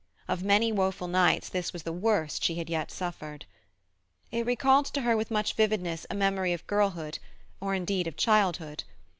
Of many woeful nights this was the worst she had yet suffered. It recalled to her with much vividness a memory of girlhood, or indeed of childhood.